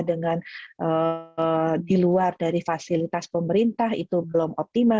dengan di luar dari fasilitas pemerintah itu belum optimal